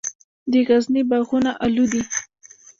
د غزني باغونه الو دي